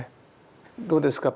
どうですか